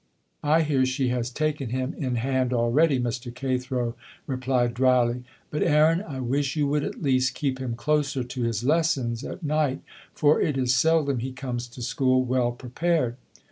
"I hear she has taken him in hand already," Mr. Cathro replied dryly. "But, Aaron, I wish you would at least keep him closer to his lessons at night, for it is seldom he comes to the school well prepared."